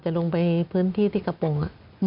ลงไปพื้นที่ที่กระโปรง